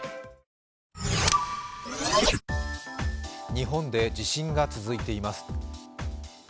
日本で地震が続いています。